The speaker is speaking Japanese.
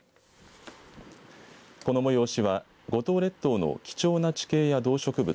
この催しは五島列島の貴重な地形や動植物